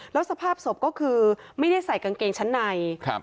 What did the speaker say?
แล้วสภาพศพก็คือไม่ได้ใส่กางเกงชั้นใน